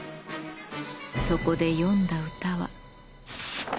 そこで詠んだ歌は。